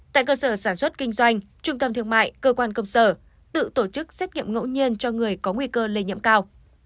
tại cơ sở sản xuất kinh doanh trung tâm thương mại cơ quan công sở tự tổ chức xét nghiệm ngẫu nhiên cho người có nguy cơ lây nhiễm cao